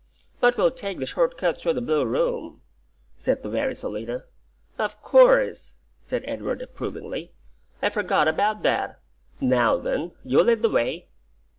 "But we'll take the short cut through the Blue Room," said the wary Selina. "Of course," said Edward, approvingly. "I forgot about that. Now then! You lead the way!"